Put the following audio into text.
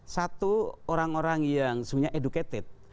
satu orang orang yang sebenarnya educated